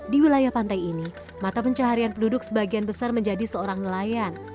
di wilayah pantai ini mata pencaharian penduduk sebagian besar menjadi seorang nelayan